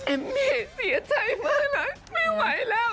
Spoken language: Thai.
เอ็มมี่เสียใจมากเลยไม่ไหวแล้ว